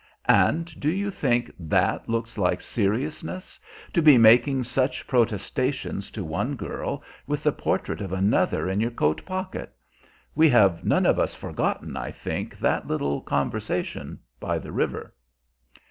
"And do you think that looks like seriousness? To be making such protestations to one girl with the portrait of another in your coat pocket? We have none of us forgotten, I think, that little conversation by the river."